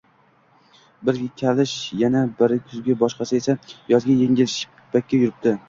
Biri kalish, yana biri kuzgi, boshqasi esa yozgi engil shippakda yuribdi